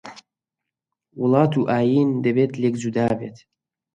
وڵات و ئایین دەبێت لێک جودابێت